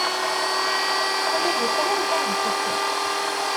Ula d itran d aɛeddi kan.